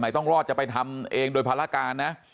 ต้องรอดจะไปทำเองโดยภารการนะ